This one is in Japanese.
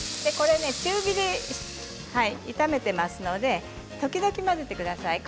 中火で炒めていますので時々混ぜてください。